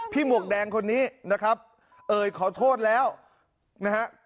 หมวกแดงคนนี้นะครับเอ่ยขอโทษแล้วนะฮะ